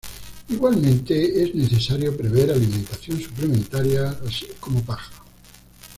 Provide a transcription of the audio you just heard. Igualmente, es necesario prever alimentación suplementaria así como paja.